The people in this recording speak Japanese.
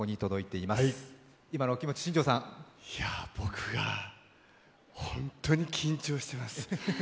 いや僕が本当に緊張していますね。